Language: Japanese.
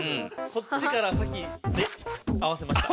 こっちから先で合わせました。